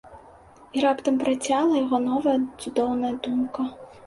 І раптам працяла яго новая цудоўная думка.